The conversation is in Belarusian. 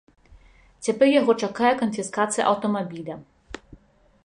Цяпер яго чакае канфіскацыя аўтамабіля.